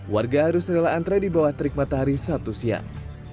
warga harus rela antre di bawah terik matahari sabtu siang